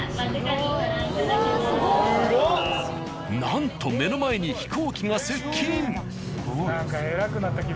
なんと目の前に飛行機が接近。